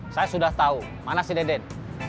saya sudah tahu mana si deden